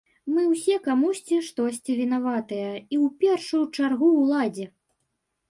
Мы ўсе камусьці штосьці вінаватыя, і ў першую чаргу ўладзе.